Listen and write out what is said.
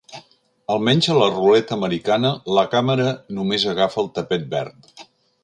Almenys a la ruleta americana la càmera només agafa el tapet verd.